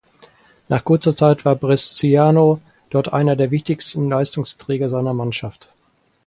Nach kurzer Zeit war Bresciano dort einer der wichtigsten Leistungsträger seiner Mannschaft.